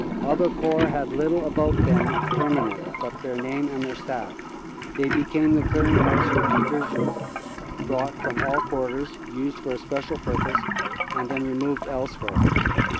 Other Corps had little about them permanent but their name and their staff. They became the clearing house for Divisions brought from all quarters, used for a special pur pose, and then removed elsewhere.